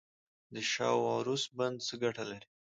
د شاه و عروس بند څه ګټه لري؟